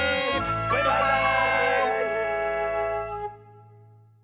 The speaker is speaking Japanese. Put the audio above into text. バイバーイ！